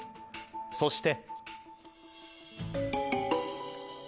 そして。